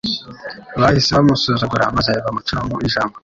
Bahise bamusuzugura maze bamuca mu ijambo,